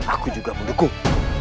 aku juga mendukung